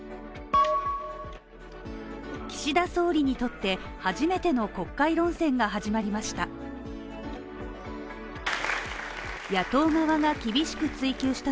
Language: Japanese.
岸田総理にとって初めての国会論戦が始まりました。